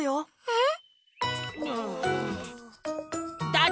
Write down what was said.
えっ？